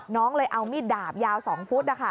น้องเลยเอามีดดาบยาว๒ฟุต